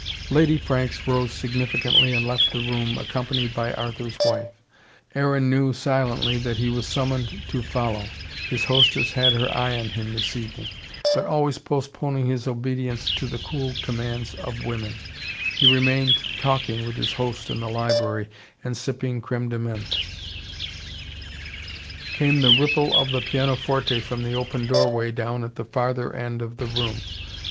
Lady Franks rose significantly and left the room, accompanied by Arthur's wife. Aaron knew, silently, that he was summoned to follow. His hostess had her eye on him this evening. But always postponing his obedience to the cool commands of women, he remained talking with his host in the library, and sipping creme de menthe! Came the ripple of the pianoforte from the open doorway down at the further end of the room.